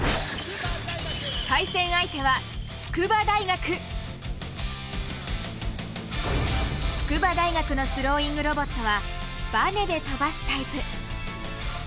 対戦相手は筑波大学のスローイングロボットはバネで飛ばすタイプ。